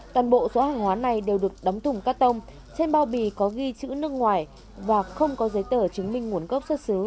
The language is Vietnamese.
toàn bộ số hàng hóa này đều được đóng thùng cắt tông trên bao bì có ghi chữ nước ngoài và không có giấy tờ chứng minh nguồn gốc xuất xứ